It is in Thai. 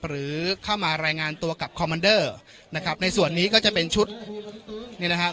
หรือเข้ามารายงานตัวกับคอมมันเดอร์นะครับในส่วนนี้ก็จะเป็นชุดนี่นะครับ